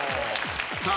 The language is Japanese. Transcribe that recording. さあ